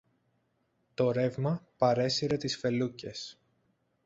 Το ρεύμα παρέσυρε τις φελούκες